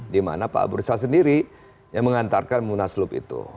dimana pak abu rizal sendiri yang mengantarkan munaslup itu